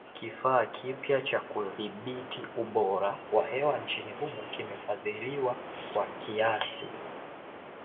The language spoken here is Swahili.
Kifaa kipya cha kudhibiti ubora wa hewa nchini humo kimefadhiliwa kwa kiasi.